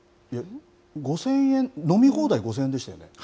５０００円、飲み放題５０００円でしたよね。